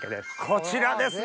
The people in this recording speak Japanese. こちらですね。